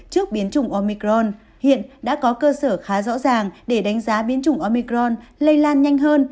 trước biến chủng omicron hiện đã có cơ sở khá rõ ràng để đánh giá biến chủng omicron lây lan nhanh hơn